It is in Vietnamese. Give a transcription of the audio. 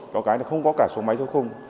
có cái không có cả số máy số khung